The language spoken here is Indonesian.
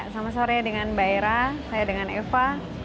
selamat sore dengan baira saya dengan eva